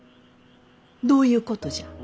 どういうことじゃ？